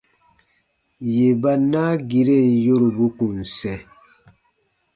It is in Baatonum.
Yè ba naagiren yorubu kùn sɛ̃.